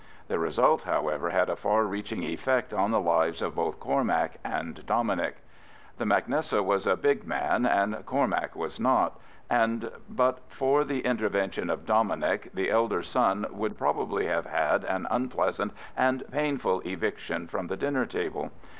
The result, however, had a far reaching effect on the lives of both Cormac and Dominic. The mac Nessa was a big man and Cormac was not, and but for the intervention of Dominic, the elder son would probably have had an unpleasant and painful eviction from the dinner table.